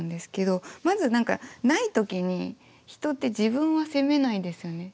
まずない時に人って自分は責めないですよね。